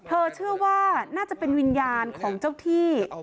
เชื่อว่าน่าจะเป็นวิญญาณของเจ้าที่